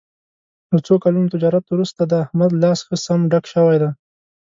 له څو کلونو تجارت ورسته د احمد لاس ښه سم ډک شوی دی.